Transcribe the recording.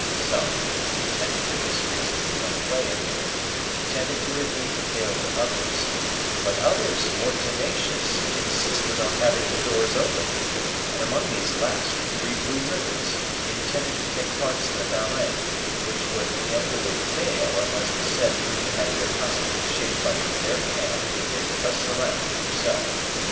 Some, contented with this reason, went away again, contented to repeat the tale to others, but others, more tenacious, insisted on having the doors opened, and among these last three Blue Ribbons, intended to take parts in a ballet, which would inevitably fail unless the said three had their costumes shaped by the very hand of the great Percerin himself.